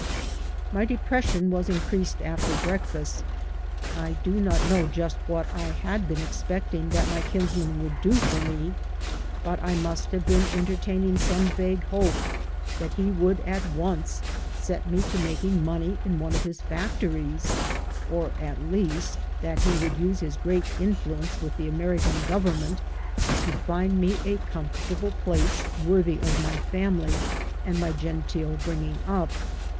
My depression was increased after breakfast. I do not know just what I had been expecting that my kinsman would do for me, but I must have been enter taining some vague hope that he would at once set me to making money in one of his factories, or, at least, that he would use his great influence with the American Government to find me a comfortable place worthy of my family and my genteel bringing up.